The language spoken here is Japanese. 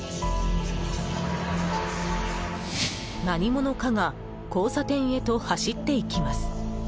何者かが交差点へと走って行きます。